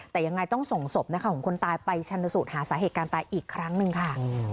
แต่ยังไงต้องส่งศพนะคะของคนตายไปชนสูตรหาสาเหตุการณ์ตายอีกครั้งหนึ่งค่ะ